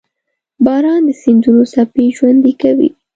• باران د سیندونو څپې ژوندۍ کوي.